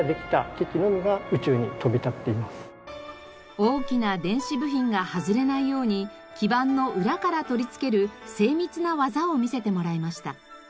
大きな電子部品が外れないように基板の裏から取り付ける精密な技を見せてもらいました。